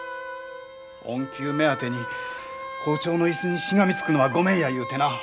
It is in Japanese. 恩給目当てに校長の椅子にしがみつくのはごめんや言うてな。